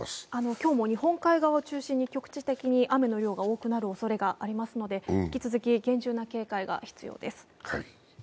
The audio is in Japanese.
今日も日本海側を中心に局地的に雨の量が多くなるおそれがありますので引き続き厳重な警戒が必要です。